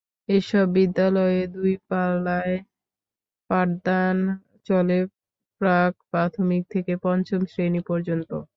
এসব বিদ্যালয়ে দুই পালায় পাঠদান চলে প্রাক্-প্রাথমিক থেকে পঞ্চম শ্রেণি পর্যন্ত।